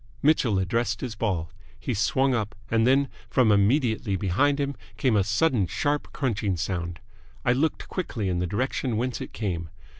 Mitchell addressed his ball. He swung up, and then, from immediately behind him came a sudden sharp crunching sound. I looked quickly in the direction whence it came.